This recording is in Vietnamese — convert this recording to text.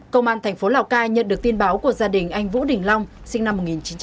công an tp lào cai nhận được tin báo của gia đình anh vũ đình long sinh năm một nghìn chín trăm tám mươi ba